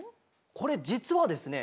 これじつはですね